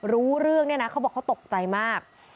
รู้เรื่องเนี่ยนะเขาบอกเขาตกใจมาก